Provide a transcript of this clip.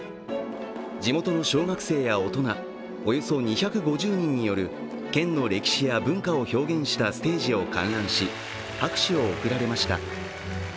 地元の小学生や大人およそ２５０人による県の歴史や文化を表現したステージを観覧し、拍手を送られました。